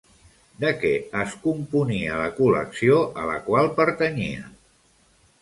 De què es componia la col·lecció a la qual pertanyia?